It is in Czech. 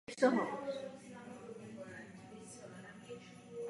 Živí se především nízkou vegetací a trávou.